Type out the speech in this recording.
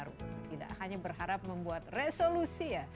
ah obligation target baru tidak hanya berharap membuat resolusi ya